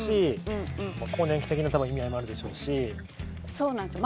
そうなんですよ。